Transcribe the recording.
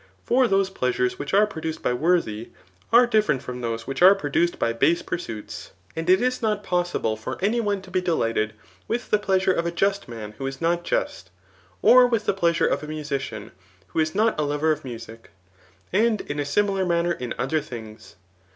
For those plea sures which are produced by worthy, are different from those which are produced by base pursuits, and it is not Digitized by Google 376 THE NICOMACHEAN BOOK X* possible for any one to be delighted vnih the pleMire of a just man who is not just, or with the pleasure of il mu^dan who is not a lover of music ; and in a annlar manner in other things.